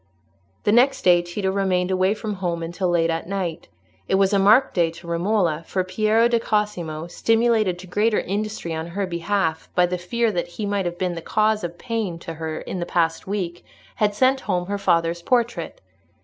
The next day Tito remained away from home until late at night. It was a marked day to Romola, for Piero di Cosimo, stimulated to greater industry on her behalf by the fear that he might have been the cause of pain to her in the past week, had sent home her father's portrait.